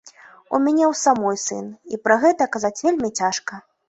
У мяне ў самой сын, і пра гэта казаць вельмі цяжка.